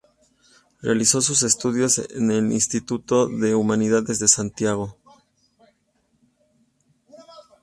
Realizó sus estudios en el Instituto de Humanidades de Santiago.